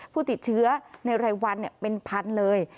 ผู้ติดเชื้อในรายวันเป็นพันเลย